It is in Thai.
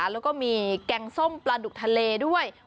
แล้วก็มีแกงส้มปลาดุกทะเลด้วย